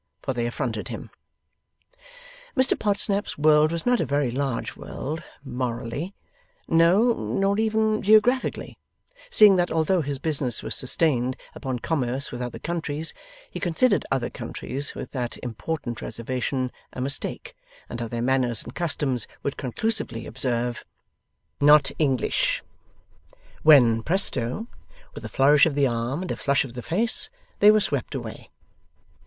For they affronted him. Mr Podsnap's world was not a very large world, morally; no, nor even geographically: seeing that although his business was sustained upon commerce with other countries, he considered other countries, with that important reservation, a mistake, and of their manners and customs would conclusively observe, 'Not English!' when, PRESTO! with a flourish of the arm, and a flush of the face, they were swept away.